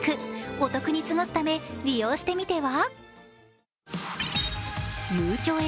お得に過ごすため、利用してみては？